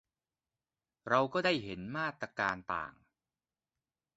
เราก็ได้เห็นมาตรการต่าง